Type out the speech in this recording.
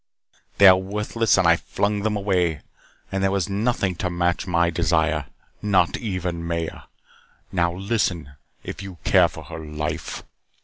They were worthless and I flung them away. And there was nothing to match my desire. Not even Maya. Now, listen, if you care for her life."